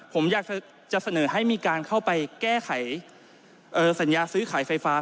ผมอยากจะเสนอให้มีการเข้าไปแก้ไขสัญญาซื้อขายไฟฟ้า